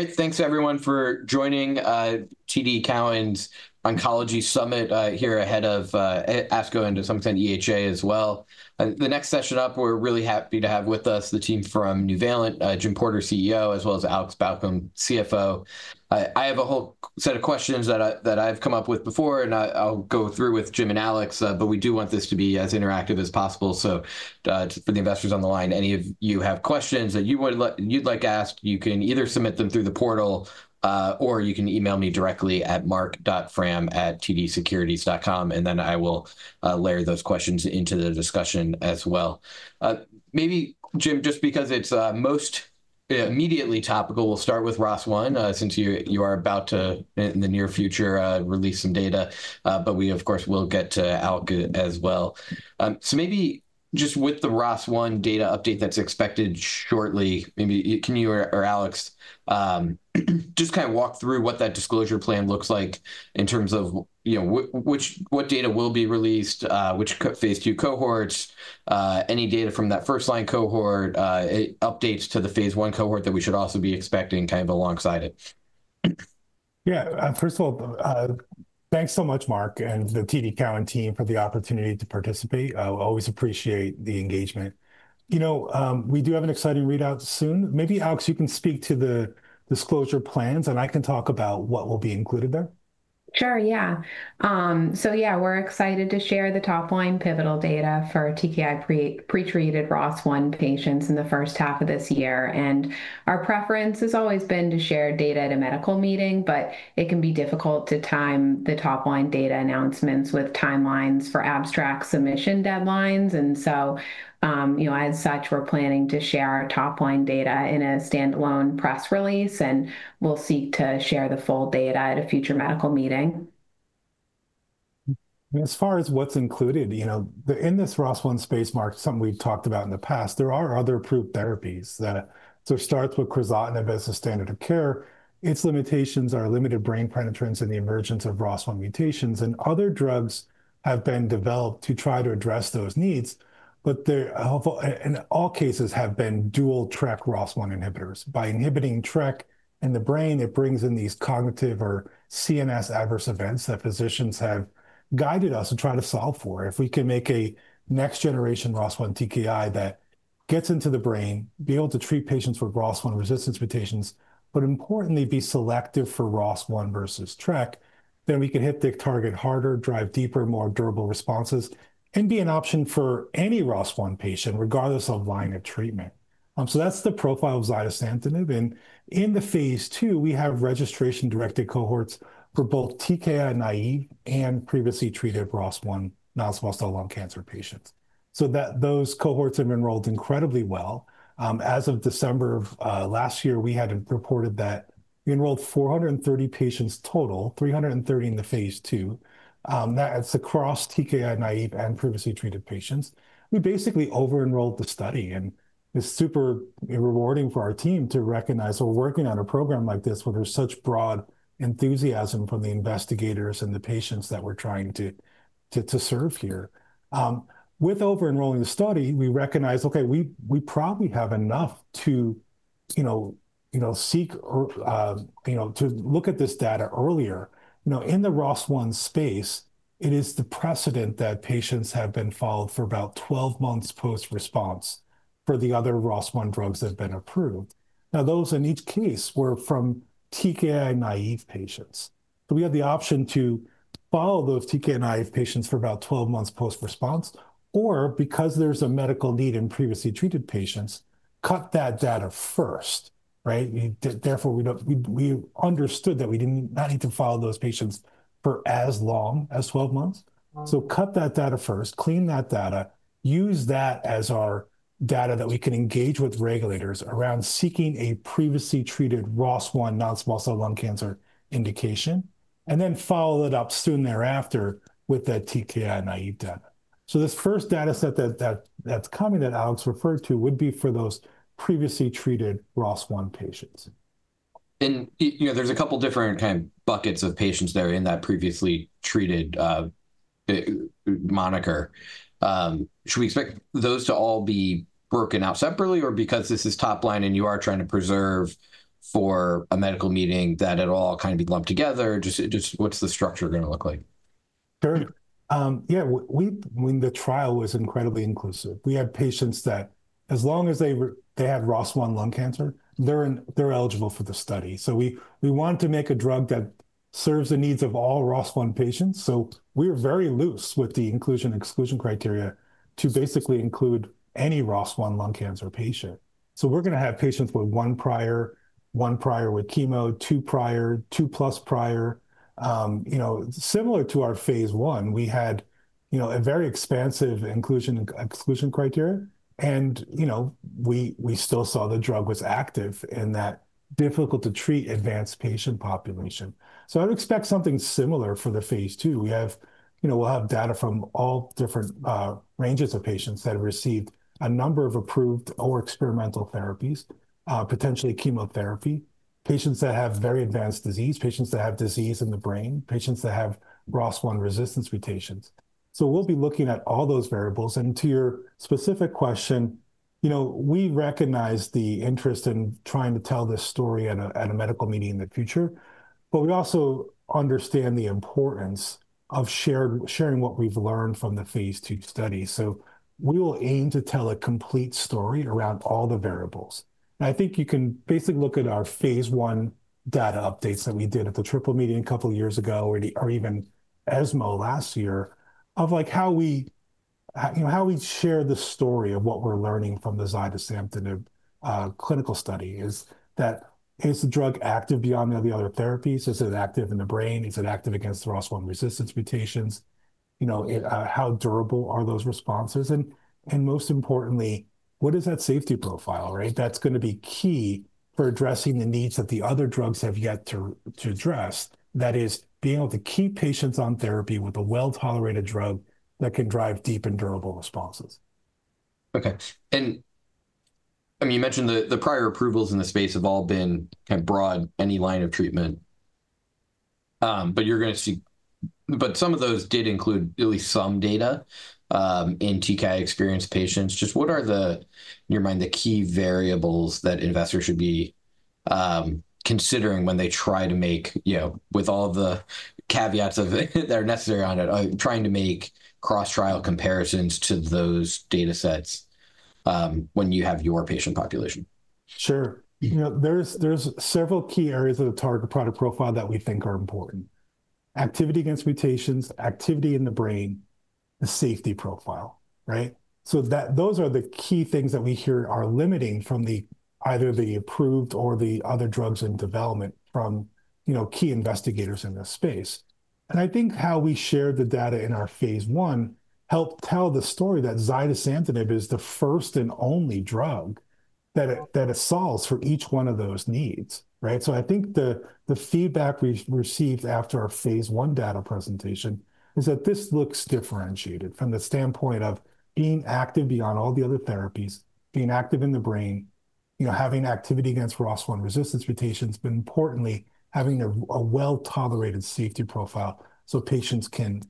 All right, thanks everyone for joining TD Cowen's Oncology Summit here ahead of ASCO and to some extent EHA as well. The next session up, we're really happy to have with us the team from Nuvalent, Jim Porter, CEO, as well as Alex Balcom, CFO. I have a whole set of questions that I've come up with before, and I'll go through with Jim and Alex, but we do want this to be as interactive as possible. For the investors on the line, any of you have questions that you'd like asked, you can either submit them through the portal or you can email me directly at mark.fram@tdsecurities.com, and then I will layer those questions into the discussion as well. Maybe, Jim, just because it's most immediately topical, we'll start with ROS1 since you are about to, in the near future, release some data, but we, of course, will get to ALK as well. Maybe just with the ROS1 data update that's expected shortly, can you or Alex just kind of walk through what that disclosure plan looks like in terms of what data will be released, which Phase II cohorts, any data from that first line cohort, updates to the phase one cohort that we should also be expecting kind of alongside it? Yeah, first of all, thanks so much, Marc, and the TD Cowen team for the opportunity to participate. I always appreciate the engagement. You know, we do have an exciting readout soon. Maybe, Alex, you can speak to the disclosure plans and I can talk about what will be included there. Sure, yeah. So yeah, we're excited to share the top line pivotal data for TKI pretreated ROS1 patients in the first half of this year. Our preference has always been to share data at a medical meeting, but it can be difficult to time the top line data announcements with timelines for abstract submission deadlines. And so, you know, as such, we're planning to share our top line data in a standalone press release, and we'll seek to share the full data at a future medical meeting. As far as what's included, you know, in this ROS1 space, Marc, something we've talked about in the past, there are other approved therapies. It starts with crizotinib as a standard of care. Its limitations are limited brain penetrance and the emergence of ROS1 mutations, and other drugs have been developed to try to address those needs, but they're helpful. In all cases, have been dual TRK ROS1 inhibitors. By inhibiting TRK in the brain, it brings in these cognitive or CNS adverse events that physicians have guided us to try to solve for. If we can make a next generation ROS1 TKI that gets into the brain, be able to treat patients with ROS1 resistance mutations, but importantly, be selective for ROS1 versus TRK, then we can hit the target harder, drive deeper, more durable responses, and be an option for any ROS1 patient, regardless of line of treatment. That is the profile of Zidesamtinib. In the Phase II, we have registration directed cohorts for both TKI naive and previously treated ROS1 non-small cell lung cancer patients. Those cohorts have enrolled incredibly well. As of December of last year, we had reported that we enrolled 430 patients total, 330 in the Phase II. That is across TKI naive and previously treated patients. We basically over-enrolled the study, and it's super rewarding for our team to recognize we're working on a program like this with such broad enthusiasm from the investigators and the patients that we're trying to serve here. With over-enrolling the study, we recognize, okay, we probably have enough to seek or to look at this data earlier. In the ROS1 space, it is the precedent that patients have been followed for about 12 months post response for the other ROS1 drugs that have been approved. Now, those in each case were from TKI naive patients. So we have the option to follow those TKI naive patients for about 12 months post response, or because there's a medical need in previously treated patients, cut that data first, right? Therefore, we understood that we did not need to follow those patients for as long as 12 months. Cut that data first, clean that data, use that as our data that we can engage with regulators around seeking a previously treated ROS1 non-small cell lung cancer indication, and then follow it up soon thereafter with that TKI naive data. This first data set that's coming that Alex referred to would be for those previously treated ROS1 patients. There is a couple of different kind of buckets of patients there in that previously treated moniker. Should we expect those to all be broken out separately or because this is top line and you are trying to preserve for a medical meeting that it will all kind of be lumped together? Just what is the structure going to look like? Sure. Yeah, when the trial was incredibly inclusive, we had patients that as long as they had ROS1 lung cancer, they're eligible for the study. We want to make a drug that serves the needs of all ROS1 patients. We were very loose with the inclusion and exclusion criteria to basically include any ROS1 lung cancer patient. We're going to have patients with one prior, one prior with chemo, two prior, two plus prior. Similar to our phase one, we had a very expansive inclusion and exclusion criteria, and we still saw the drug was active in that difficult to treat advanced patient population. I would expect something similar for the Phase II. We'll have data from all different ranges of patients that have received a number of approved or experimental therapies, potentially chemotherapy, patients that have very advanced disease, patients that have disease in the brain, patients that have ROS1 resistance mutations. We will be looking at all those variables. To your specific question, we recognize the interest in trying to tell this story at a medical meeting in the future, but we also understand the importance of sharing what we've learned from the phase two study. We will aim to tell a complete story around all the variables. I think you can basically look at our Phase I data updates that we did at the triple meeting a couple of years ago or even ESMO last year of how we share the story of what we're learning from the Zidesamtinib clinical study. Is the drug active beyond all the other therapies? Is it active in the brain? Is it active against the ROS1 resistance mutations? How durable are those responses? Most importantly, what is that safety profile, right? That is going to be key for addressing the needs that the other drugs have yet to address. That is, being able to keep patients on therapy with a well-tolerated drug that can drive deep and durable responses. Okay. I mean, you mentioned the prior approvals in the space have all been kind of broad, any line of treatment, but some of those did include at least some data in TKI experienced patients. Just what are the, in your mind, the key variables that investors should be considering when they try to make, with all the caveats that are necessary on it, trying to make cross-trial comparisons to those data sets when you have your patient population? Sure. There are several key areas of the target product profile that we think are important: activity against mutations, activity in the brain, the safety profile, right? Those are the key things that we hear are limiting from either the approved or the other drugs in development from key investigators in this space. I think how we shared the data in our phase one helped tell the story that Zidesamtinib is the first and only drug that solves for each one of those needs, right? I think the feedback we received after our phase one data presentation is that this looks differentiated from the standpoint of being active beyond all the other therapies, being active in the brain, having activity against ROS1 resistance mutations, but importantly, having a well-tolerated safety profile so patients can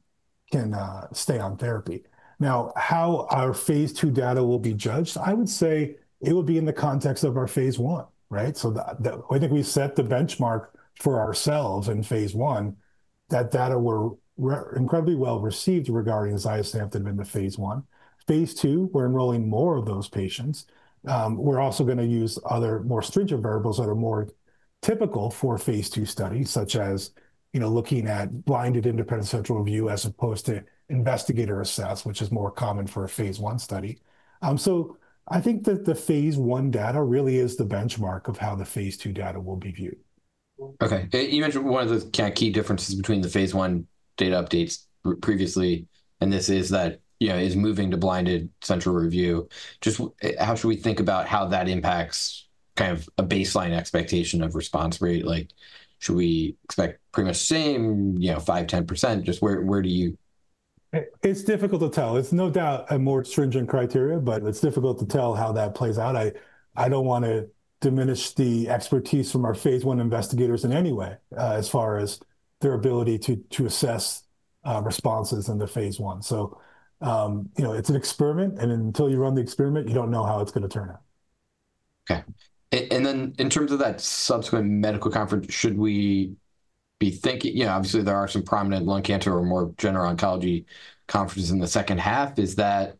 stay on therapy. Now, how our Phase II data will be judged, I would say it would be in the context of our Phase I, right? I think we set the benchmark for ourselves in phase one. That data were incredibly well received regarding Zidesamtinib in the phase one. Phase two, we're enrolling more of those patients. We're also going to use other more stringent variables that are more typical for Phase II studies, such as looking at blinded independent central review as opposed to investigator assess, which is more common for a Phase I study. I think that the phase one data really is the benchmark of how the phase two data will be viewed. Okay. You mentioned one of the kind of key differences between the Phase I data updates previously and this is that it is moving to blinded central review. Just how should we think about how that impacts kind of a baseline expectation of response rate? Like should we expect pretty much the same, 5%, 10%? Just where do you? It's difficult to tell. It's no doubt a more stringent criteria, but it's difficult to tell how that plays out. I don't want to diminish the expertise from our phase one investigators in any way as far as their ability to assess responses in the phase one. It's an experiment, and until you run the experiment, you don't know how it's going to turn out. Okay. And then in terms of that subsequent medical conference, should we be thinking, obviously there are some prominent lung cancer or more general oncology conferences in the second half, is that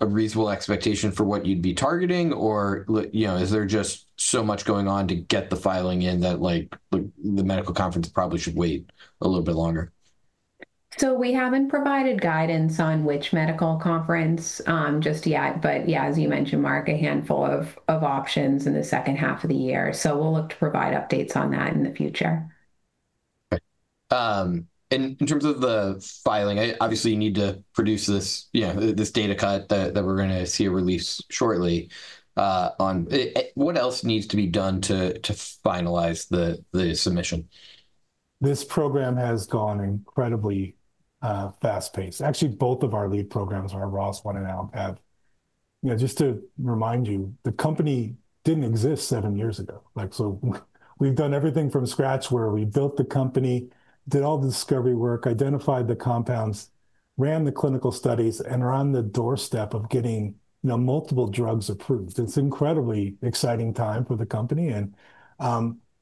a reasonable expectation for what you'd be targeting? Or is there just so much going on to get the filing in that the medical conference probably should wait a little bit longer? We haven't provided guidance on which medical conference just yet, but yeah, as you mentioned, Marc, a handful of options in the second half of the year. We'll look to provide updates on that in the future. In terms of the filing, obviously you need to produce this data cut that we're going to see a release shortly. What else needs to be done to finalize the submission? This program has gone incredibly fast-paced. Actually, both of our lead programs, our ROS1 and AMPA, just to remind you, the company did not exist seven years ago. We have done everything from scratch where we built the company, did all the discovery work, identified the compounds, ran the clinical studies, and are on the doorstep of getting multiple drugs approved. It is an incredibly exciting time for the company.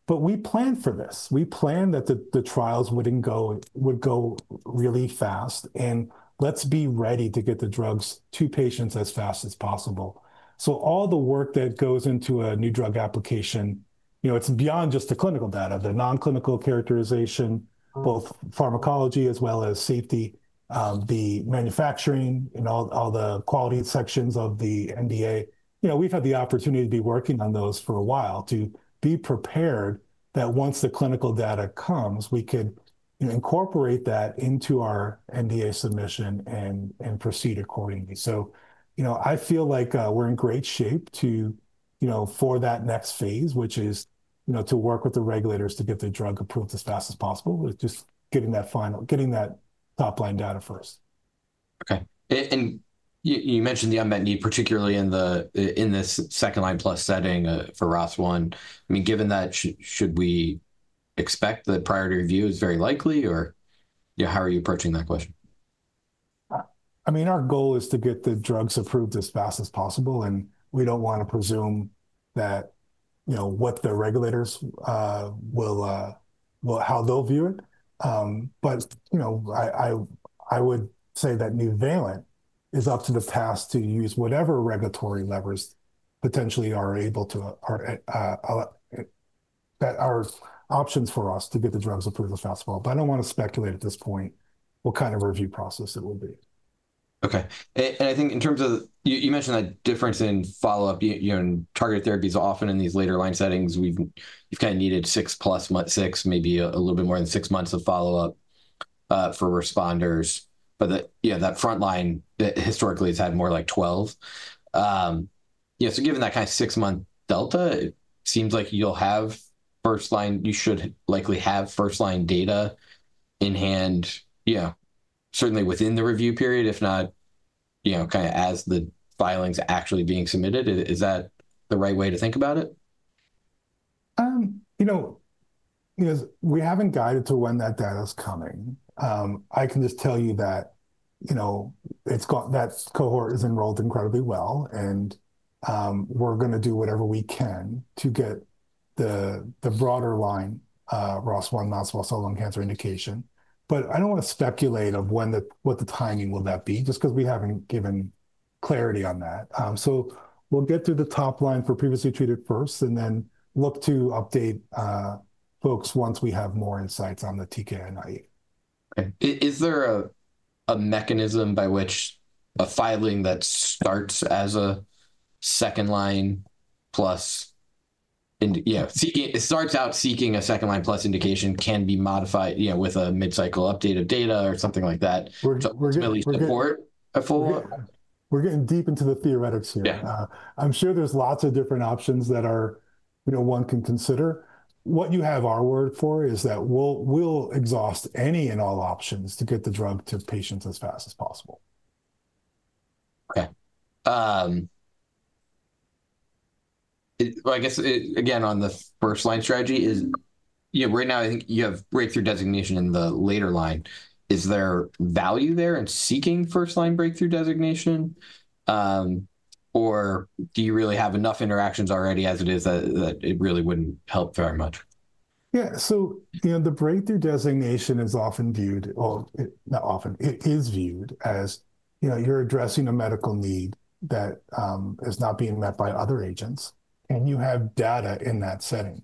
We planned for this. We planned that the trials would go really fast, and let us be ready to get the drugs to patients as fast as possible. All the work that goes into a new drug application, it is beyond just the clinical data, the non-clinical characterization, both pharmacology as well as safety, the manufacturing, and all the quality sections of the NDA. We've had the opportunity to be working on those for a while to be prepared that once the clinical data comes, we could incorporate that into our NDA submission and proceed accordingly. I feel like we're in great shape for that next phase, which is to work with the regulators to get the drug approved as fast as possible, just getting that top line data first. Okay. You mentioned the unmet need, particularly in this second line plus setting for ROS1. I mean, given that, should we expect the priority review is very likely, or how are you approaching that question? I mean, our goal is to get the drugs approved as fast as possible, and we don't want to presume how the regulators will view it. I would say that Nuvalent is up to the task to use whatever regulatory levers potentially are able to, that are options for us to get the drugs approved as fast as possible. I don't want to speculate at this point what kind of review process it will be. Okay. I think in terms of, you mentioned that difference in follow-up, targeted therapies often in these later line settings, we've kind of needed six plus, maybe a little bit more than six months of follow-up for responders. That front line historically has had more like 12. Given that kind of six month delta, it seems like you'll have first line, you should likely have first line data in hand, certainly within the review period, if not kind of as the filings actually being submitted. Is that the right way to think about it? We haven't guided to when that data is coming. I can just tell you that that cohort is enrolled incredibly well, and we're going to do whatever we can to get the broader line ROS1 non-small cell lung cancer indication. I don't want to speculate of what the timing will that be, just because we haven't given clarity on that. We'll get through the top line for previously treated first and then look to update folks once we have more insights on the TKI naive. Is there a mechanism by which a filing that starts as a second line plus? It starts out seeking a second line plus indication, can be modified with a mid-cycle update of data or something like that. We're getting deep into the theoretics here. I'm sure there's lots of different options that one can consider. What you have our word for is that we'll exhaust any and all options to get the drug to patients as fast as possible. Okay. I guess, again, on the first line strategy, right now, I think you have breakthrough designation in the later line. Is there value there in seeking first line breakthrough designation, or do you really have enough interactions already as it is that it really would not help very much? Yeah. The breakthrough designation is often viewed, or not often, it is viewed as you're addressing a medical need that is not being met by other agents, and you have data in that setting.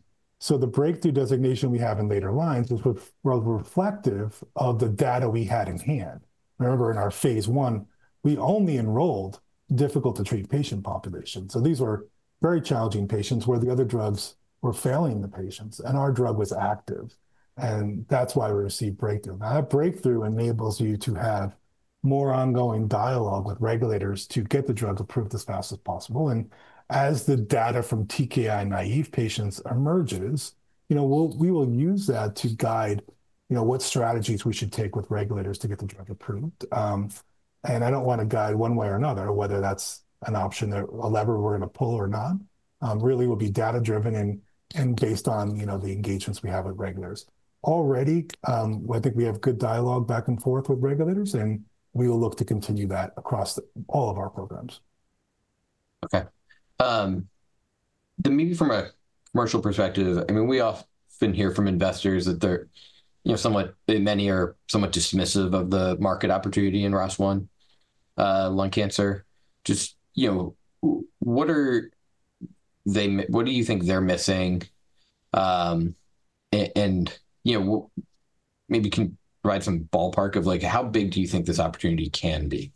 The breakthrough designation we have in later lines is reflective of the data we had in hand. Remember, in our Phase I, we only enrolled difficult to treat patient populations. These were very challenging patients where the other drugs were failing the patients, and our drug was active. That's why we received breakthrough. That breakthrough enables you to have more ongoing dialogue with regulators to get the drug approved as fast as possible. As the data from TKI naive patients emerges, we will use that to guide what strategies we should take with regulators to get the drug approved. I do not want to guide one way or another, whether that's an option or a lever we're going to pull or not, really will be data-driven and based on the engagements we have with regulators. Already, I think we have good dialogue back and forth with regulators, and we will look to continue that across all of our programs. Okay. Maybe from a commercial perspective, I mean, we often hear from investors that many are somewhat dismissive of the market opportunity in ROS1 lung cancer. Just what do you think they're missing? Maybe can you provide some ballpark of how big do you think this opportunity can be?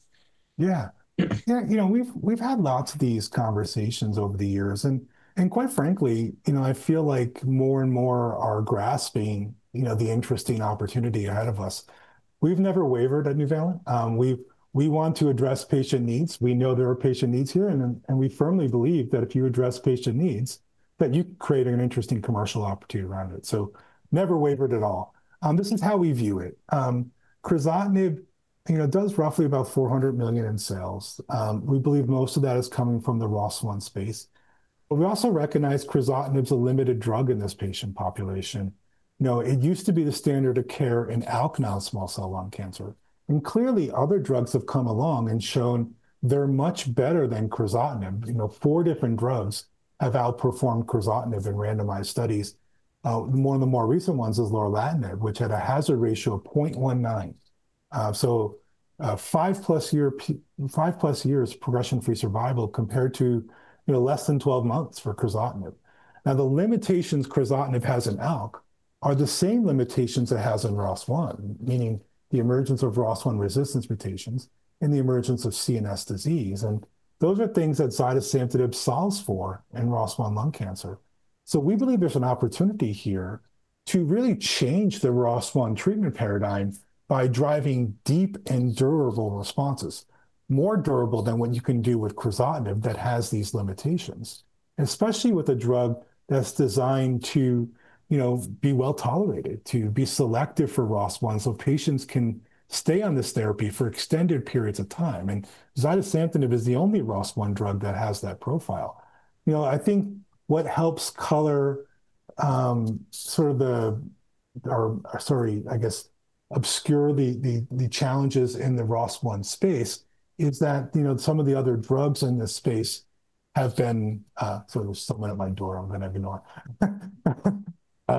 Yeah. We've had lots of these conversations over the years. And quite frankly, I feel like more and more are grasping the interesting opportunity ahead of us. We've never wavered at Nuvalent. We want to address patient needs. We know there are patient needs here, and we firmly believe that if you address patient needs, that you're creating an interesting commercial opportunity around it. So never wavered at all. This is how we view it. Crizotinib does roughly about $400 million in sales. We believe most of that is coming from the ROS1 space. But we also recognize Crizotinib is a limited drug in this patient population. It used to be the standard of care in ALK-positive non-small cell lung cancer. And clearly, other drugs have come along and shown they're much better than Crizotinib. Four different drugs have outperformed Crizotinib in randomized studies. One of the more recent ones is Lorlatinib, which had a hazard ratio of 0.19. Five plus years progression-free survival compared to less than 12 months for Crizotinib. Now, the limitations Crizotinib has in ALK are the same limitations it has in ROS1, meaning the emergence of ROS1 resistance mutations and the emergence of CNS disease. Those are things that Zidesamtinib solves for in ROS1 lung cancer. We believe there's an opportunity here to really change the ROS1 treatment paradigm by driving deep and durable responses, more durable than what you can do with Crizotinib that has these limitations, especially with a drug that's designed to be well tolerated, to be selective for ROS1 so patients can stay on this therapy for extended periods of time. Zidesamtinib is the only ROS1 drug that has that profile. I think what helps color sort of the, or sorry, I guess, obscure the challenges in the ROS1 space is that some of the other drugs in this space have been sort of someone at my door. I'm going to ignore.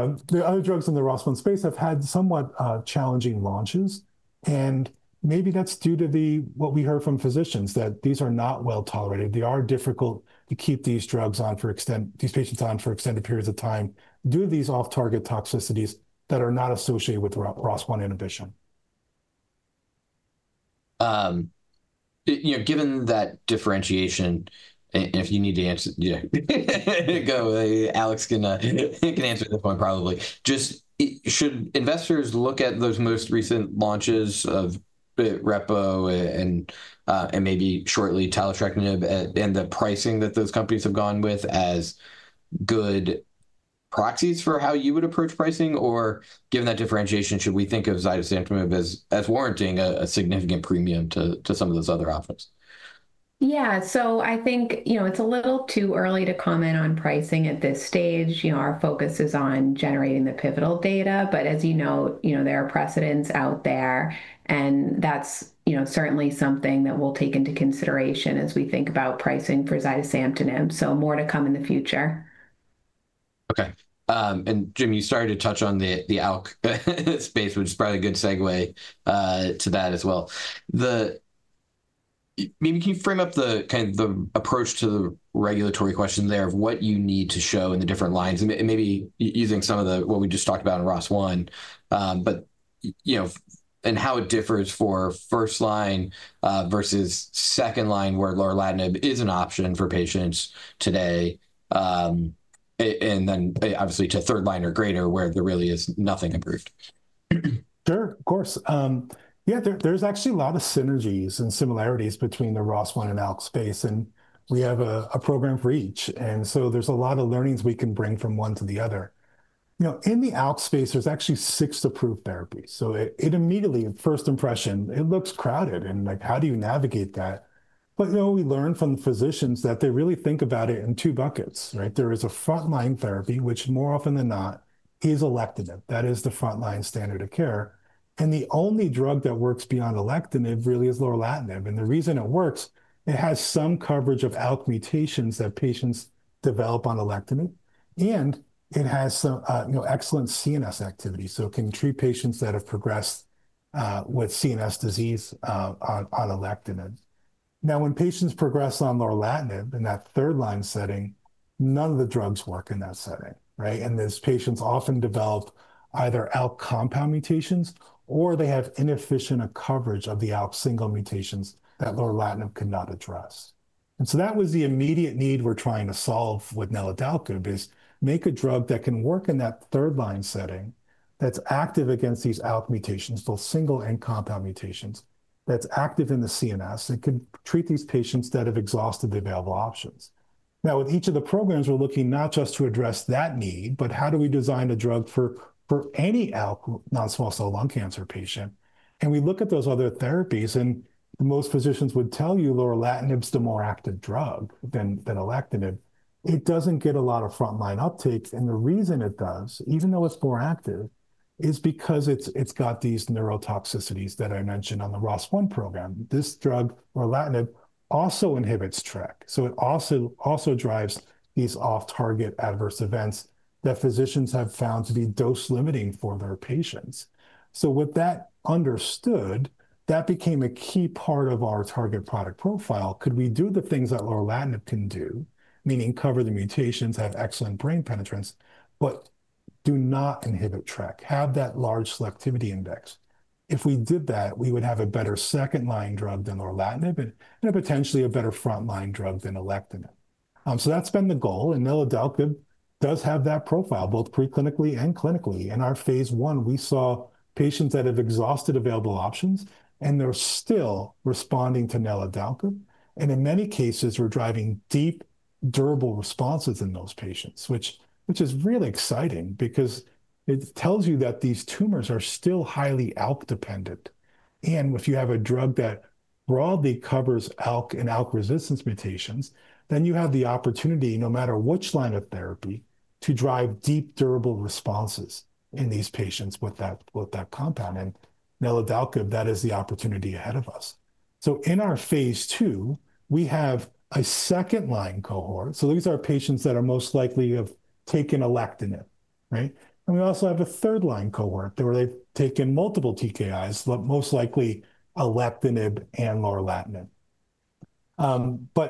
The other drugs in the ROS1 space have had somewhat challenging launches. Maybe that's due to what we heard from physicians, that these are not well tolerated. They are difficult to keep these drugs on for extended periods of time due to these off-target toxicities that are not associated with ROS1 inhibition. Given that differentiation, and if you need to answer, Alex can answer at this point probably. Just should investors look at those most recent launches of Bitrepo and maybe shortly TeleTrectinib and the pricing that those companies have gone with as good proxies for how you would approach pricing? Or given that differentiation, should we think of Zidesamtinib as warranting a significant premium to some of those other options? Yeah. I think it's a little too early to comment on pricing at this stage. Our focus is on generating the pivotal data. As you know, there are precedents out there, and that's certainly something that we'll take into consideration as we think about pricing for Zidesamtinib. More to come in the future. Okay. Jim, you started to touch on the ALK space, which is probably a good segue to that as well. Maybe can you frame up the kind of the approach to the regulatory question there of what you need to show in the different lines, maybe using some of what we just talked about in ROS1, and how it differs for first line versus second line where Lorlatinib is an option for patients today, and then obviously to third line or greater where there really is nothing approved? Sure, of course. Yeah, there's actually a lot of synergies and similarities between the ROS1 and ALK space, and we have a program for each. And so there's a lot of learnings we can bring from one to the other. In the ALK space, there's actually six approved therapies. So it immediately, first impression, it looks crowded, and how do you navigate that? But we learn from the physicians that they really think about it in two buckets. There is a front line therapy, which more often than not is Alectinib. That is the front line standard of care. And the only drug that works beyond Alectinib really is Lorlatinib. And the reason it works, it has some coverage of ALK mutations that patients develop on Alectinib, and it has excellent CNS activity. So it can treat patients that have progressed with CNS disease on Alectinib. Now, when patients progress on Lorlatinib in that third line setting, none of the drugs work in that setting. Those patients often develop either ALK compound mutations or they have inefficient coverage of the ALK single mutations that Lorlatinib could not address. That was the immediate need we're trying to solve with Neladalkib is make a drug that can work in that third line setting that's active against these ALK mutations, both single and compound mutations, that's active in the CNS and can treat these patients that have exhausted the available options. Now, with each of the programs, we're looking not just to address that need, but how do we design a drug for any ALK non-small cell lung cancer patient? We look at those other therapies, and most physicians would tell you Lorlatinib's the more active drug than Alectinib. It doesn't get a lot of front line uptake. The reason it does, even though it's more active, is because it's got these neurotoxicities that I mentioned on the ROS1 program. This drug, Lorlatinib, also inhibits TRK. It also drives these off-target adverse events that physicians have found to be dose limiting for their patients. With that understood, that became a key part of our target product profile. Could we do the things that Lorlatinib can do, meaning cover the mutations, have excellent brain penetrance, but do not inhibit TRK, have that large selectivity index? If we did that, we would have a better second line drug than Lorlatinib and potentially a better front line drug than Alectinib. That's been the goal. Neladalkib does have that profile, both preclinically and clinically. In our Phase I, we saw patients that have exhausted available options, and they're still responding to Neladalkib. In many cases, we're driving deep, durable responses in those patients, which is really exciting because it tells you that these tumors are still highly ALK dependent. If you have a drug that broadly covers ALK and ALK resistance mutations, then you have the opportunity, no matter which line of therapy, to drive deep, durable responses in these patients with that compound. Neladalkib, that is the opportunity ahead of us. In our Phase II, we have a second line cohort. These are patients that most likely have taken Alectinib. We also have a third line cohort where they've taken multiple TKIs, but most likely Alectinib and Lorlatinib.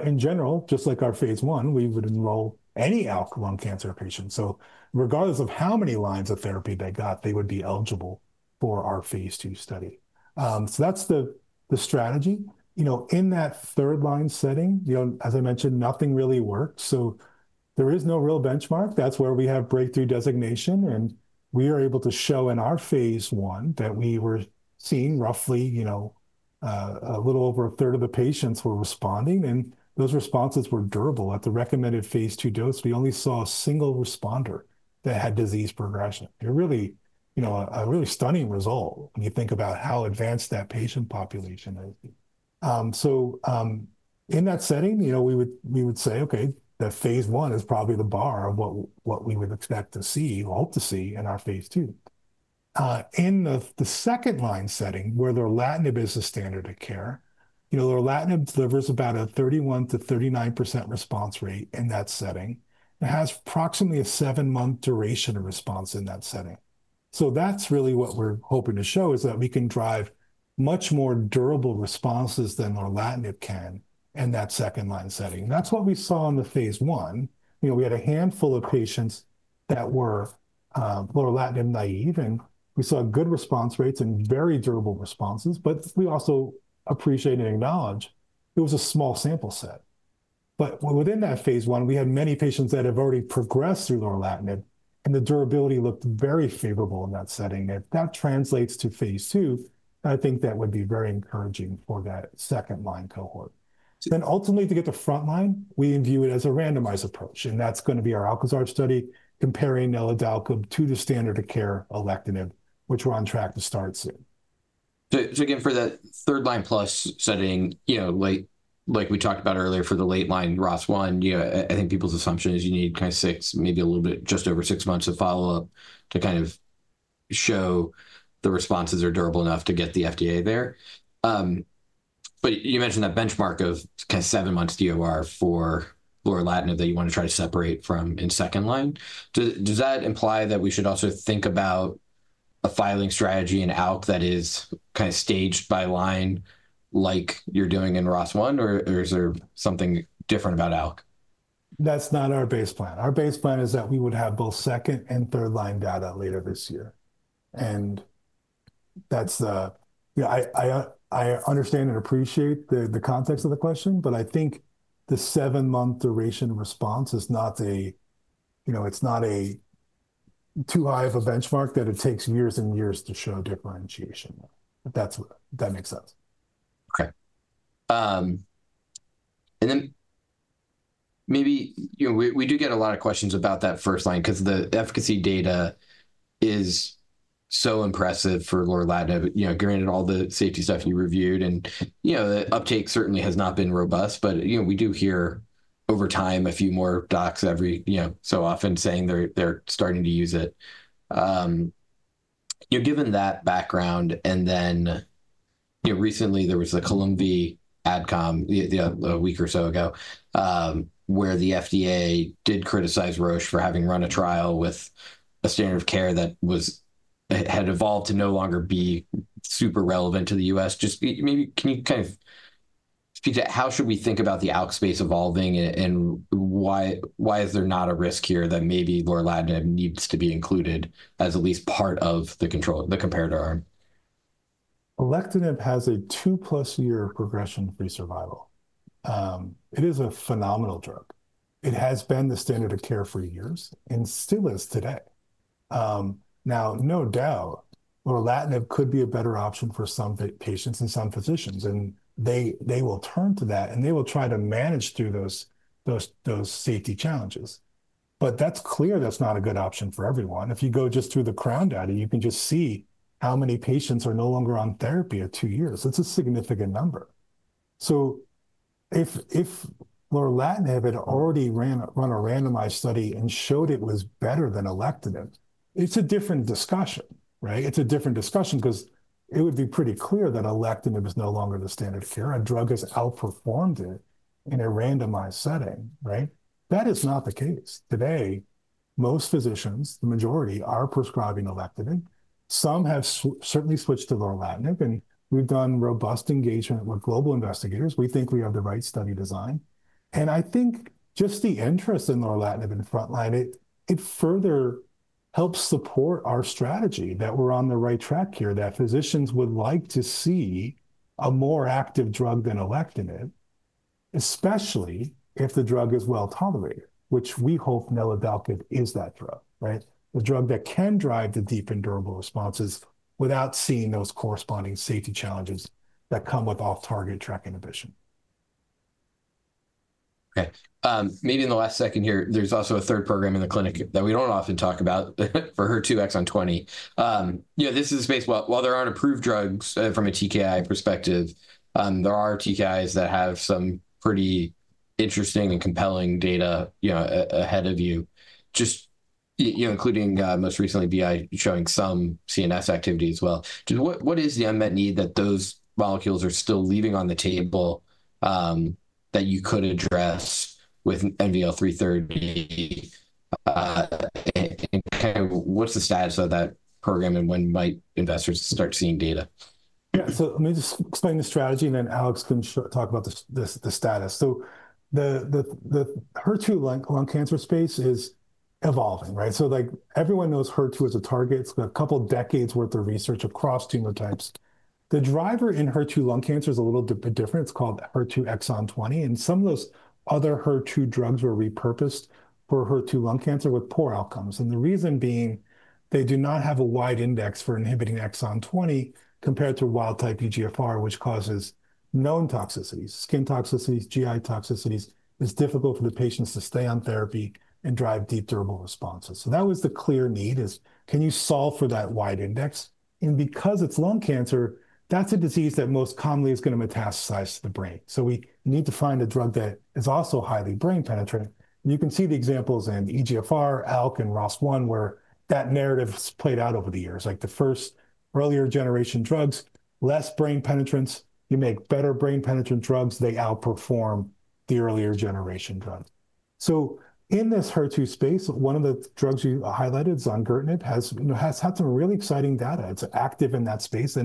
In general, just like our Phase I, we would enroll any ALK lung cancer patient. Regardless of how many lines of therapy they got, they would be eligible for our Phase II study. That is the strategy. In that third line setting, as I mentioned, nothing really works. There is no real benchmark. That is where we have breakthrough designation. We are able to show in our phase one that we were seeing roughly a little over a third of the patients were responding. Those responses were durable at the recommended Phase II dose. We only saw a single responder that had disease progression. It is really a really stunning result when you think about how advanced that patient population is. In that setting, we would say, okay, that Phase I is probably the bar of what we would expect to see, hope to see in our Phase II. In the second line setting, where Lorlatinib is the standard of care, Lorlatinib delivers about a 31%-39% response rate in that setting. It has approximately a seven month duration of response in that setting. That is really what we're hoping to show is that we can drive much more durable responses than Lorlatinib can in that second line setting. That is what we saw in the phase one. We had a handful of patients that were Lorlatinib naive, and we saw good response rates and very durable responses. We also appreciate and acknowledge it was a small sample set. Within that phase one, we had many patients that have already progressed through Lorlatinib, and the durability looked very favorable in that setting. If that translates to phase two, I think that would be very encouraging for that second line cohort. Ultimately, to get the front line, we view it as a randomized approach. That is going to be our Alcazar study comparing Neladalkib to the standard of care Alectinib, which we are on track to start soon. Again, for that third line plus setting, like we talked about earlier for the late line ROS1, I think people's assumption is you need kind of six, maybe a little bit just over six months of follow-up to kind of show the responses are durable enough to get the FDA there. You mentioned that benchmark of kind of seven months DOR for Lorlatinib that you want to try to separate from in second line. Does that imply that we should also think about a filing strategy in ALK that is kind of staged by line like you're doing in ROS1, or is there something different about ALK? That's not our base plan. Our base plan is that we would have both second and third line data later this year. I understand and appreciate the context of the question, but I think the seven-month duration of response is not a, it's not too high of a benchmark that it takes years and years to show differentiation. That makes sense. Okay. And then maybe we do get a lot of questions about that first line because the efficacy data is so impressive for Lorlatinib, granted all the safety stuff you reviewed. The uptake certainly has not been robust, but we do hear over time a few more docs every so often saying they're starting to use it. Given that background, and then recently there was the Columbia adcom a week or so ago where the FDA did criticize Roche for having run a trial with a standard of care that had evolved to no longer be super relevant to the U.S. Just maybe can you kind of speak to how should we think about the ALK space evolving and why is there not a risk here that maybe Lorlatinib needs to be included as at least part of the comparator arm? Alectinib has a two plus year progression-free survival. It is a phenomenal drug. It has been the standard of care for years and still is today. No doubt, Lorlatinib could be a better option for some patients and some physicians. They will turn to that, and they will try to manage through those safety challenges. That is clear that is not a good option for everyone. If you go just through the CROWN data, you can just see how many patients are no longer on therapy at two years. It is a significant number. If Lorlatinib had already run a randomized study and showed it was better than Alectinib, it is a different discussion. It is a different discussion because it would be pretty clear that Alectinib is no longer the standard of care and the drug has outperformed it in a randomized setting. That is not the case. Today, most physicians, the majority, are prescribing Alectinib. Some have certainly switched to Lorlatinib, and we've done robust engagement with global investigators. We think we have the right study design. I think just the interest in Lorlatinib in the front line, it further helps support our strategy that we're on the right track here, that physicians would like to see a more active drug than Alectinib, especially if the drug is well tolerated, which we hope Neladalkib is that drug, the drug that can drive the deep and durable responses without seeing those corresponding safety challenges that come with off-target TKI inhibition. Okay. Maybe in the last second here, there's also a third program in the clinic that we do not often talk about for HER2 exon 20. This is based while there are not approved drugs from a TKI perspective, there are TKIs that have some pretty interesting and compelling data ahead of you, including most recently BI showing some CNS activity as well. What is the unmet need that those molecules are still leaving on the table that you could address with NVL-330? Kind of what's the status of that program and when might investors start seeing data? Yeah. Let me just explain the strategy, and then Alex can talk about the status. The HER2 lung cancer space is evolving. Everyone knows HER2 as a target. It's been a couple of decades' worth of research across tumor types. The driver in HER2 lung cancer is a little bit different. It's called HER2 exon 20. Some of those other HER2 drugs were repurposed for HER2 lung cancer with poor outcomes. The reason being, they do not have a wide index for inhibiting exon 20 compared to wild-type EGFR, which causes known toxicities, skin toxicities, GI toxicities. It's difficult for the patients to stay on therapy and drive deep, durable responses. That was the clear need: can you solve for that wide index? Because it's lung cancer, that's a disease that most commonly is going to metastasize to the brain. We need to find a drug that is also highly brain penetrant. You can see the examples in EGFR, ALK, and ROS1, where that narrative has played out over the years. The first earlier generation drugs, less brain penetrant. You make better brain penetrant drugs. They outperform the earlier generation drugs. In this HER2 space, one of the drugs you highlighted, Zidesamtinib, has had some really exciting data. It's active in that space.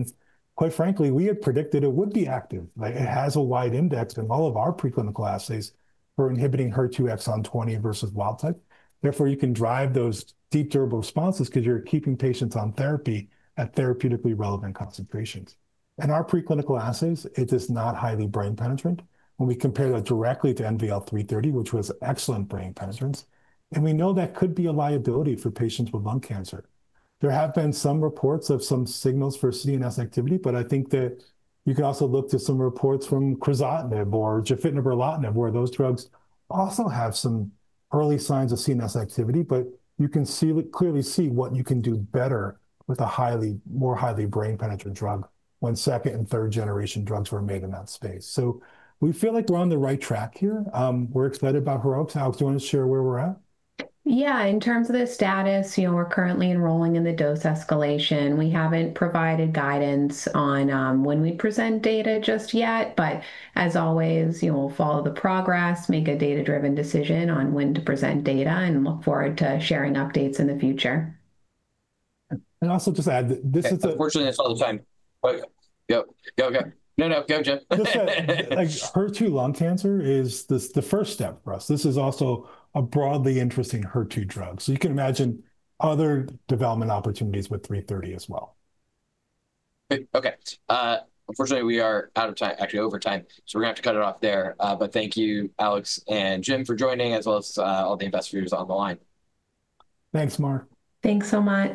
Quite frankly, we had predicted it would be active. It has a wide index in all of our preclinical assays for inhibiting HER2 exon 20 versus wild-type. Therefore, you can drive those deep, durable responses because you're keeping patients on therapy at therapeutically relevant concentrations. In our preclinical assays, it is not highly brain penetrant. When we compare that directly to NVL-330, which was excellent brain penetrant, and we know that could be a liability for patients with lung cancer. There have been some reports of some signals for CNS activity, but I think that you can also look to some reports from Crizotinib or lorlatinib, where those drugs also have some early signs of CNS activity, but you can clearly see what you can do better with a more highly brain penetrant drug when second- and third-generation drugs were made in that space. We feel like we're on the right track here. We're excited about HER2. Alex, do you want to share where we're at? Yeah. In terms of the status, we're currently enrolling in the dose escalation. We haven't provided guidance on when we present data just yet, but as always, we'll follow the progress, make a data-driven decision on when to present data, and look forward to sharing updates in the future. Also just add that this is a. Unfortunately, that's all the time. Yep. Yep. Okay. No, no. Go Jim. HER2 lung cancer is the first step for us. This is also a broadly interesting HER2 drug. You can imagine other development opportunities with 330 as well. Okay. Unfortunately, we are out of time, actually over time. We are going to have to cut it off there. Thank you, Alex and Jim, for joining, as well as all the investigators on the line. Thanks, Marc. Thanks so much.